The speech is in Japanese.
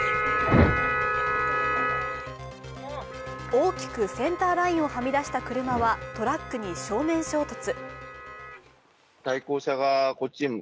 大きくセンターラインをはみ出した車はトラックに正面衝突。